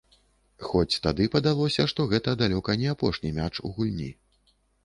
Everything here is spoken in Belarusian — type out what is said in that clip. Хоць тады падалося, што гэта далёка не апошні мяч у гульні.